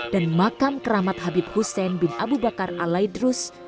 dan makam keramat habib hussein bin abu bakar al aidrus